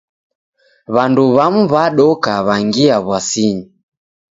W'andu w'amu w'adoka w'angia w'asinyi.